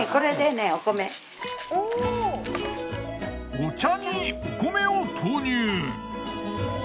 お茶にお米を投入。